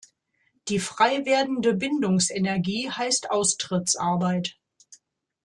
Die frei werdende Bindungsenergie heißt Austrittsarbeit.